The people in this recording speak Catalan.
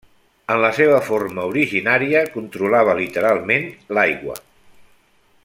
En la seva forma originària, controlava literalment l'aigua.